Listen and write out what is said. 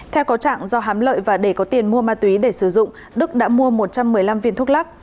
theo có trạng do hám lợi và để có tiền mua ma túy để sử dụng đức đã mua một trăm một mươi năm viên thuốc lắc